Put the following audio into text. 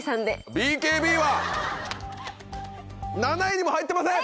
７位にも入ってません！